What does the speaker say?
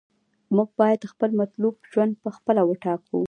موږ باید خپل مطلوب ژوند په خپله وټاکو.